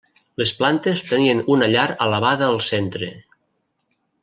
Les plantes tenien una llar elevada al centre.